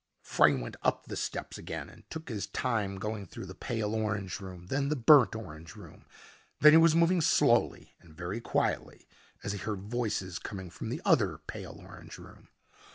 Frey went up the steps again and took his time going through the pale orange room, the burnt orange room. Then he was moving slowly and very quietly as he heard voices coming from the other pale orange room.